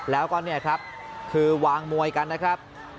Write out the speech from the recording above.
แล้วก็เนี่ยครับคือวางมวยกันนะครับ